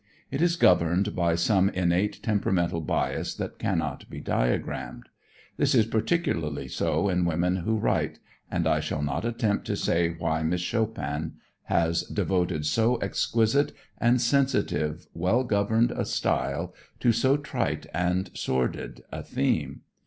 It is governed by some innate temperamental bias that cannot be diagrammed. This is particularly so in women who write, and I shall not attempt to say why Miss Chopin has devoted so exquisite and sensitive, well governed a style to so trite and sordid a theme.